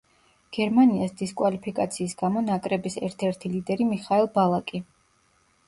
გერმანიას დისკვალიფიკაციის გამო ნაკრების ერთ-ერთი ლიდერი მიხაელ ბალაკი.